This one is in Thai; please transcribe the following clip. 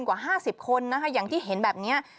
กว่า๕๐คนนะคะอย่างที่เห็นแบบนี้